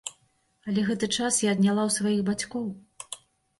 Але гэты час я адняла ў сваіх бацькоў.